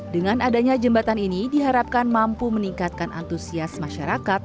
dengan adanya jembatan ini diharapkan mampu meningkatkan antusias masyarakat